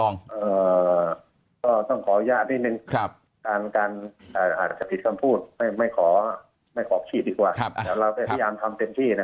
ลองก็ต้องขอยากนิดนึงไม่ขอไม่ขอพยายามทำเต็มที่นะ